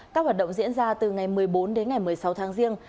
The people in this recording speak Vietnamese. các hoạt động diễn ra từ ngày một mươi bốn đến ngày một mươi sáu tháng riêng